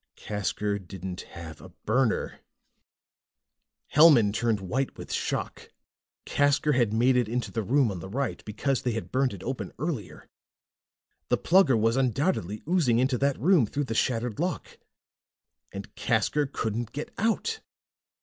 Casker didn't have a burner! Hellman turned white with shock. Casker had made it into the room on the right, because they had burned it open earlier. The Plugger was undoubtedly oozing into that room, through the shattered lock ... and Casker couldn't get out!